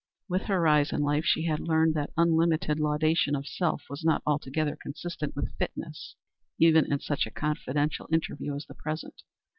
With her rise in life she had learned that unlimited laudation of self was not altogether consistent with "fitness," even in such a confidential interview as the present.